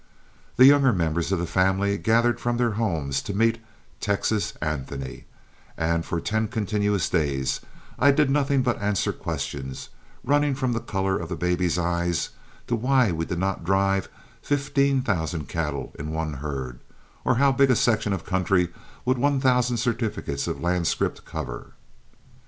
The younger members of the family gathered from their homes to meet "Texas" Anthony, and for ten continuous days I did nothing but answer questions, running from the color of the baby's eyes to why we did not drive the fifteen thousand cattle in one herd, or how big a section of country would one thousand certificates of land scrip cover.